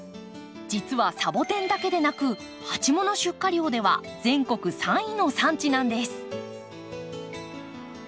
実はサボテンだけでなく鉢物出荷量では全国３位の産地なんです。